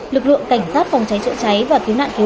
lực lượng cảnh sát phòng cháy trợ cháy và cứu nạn cứu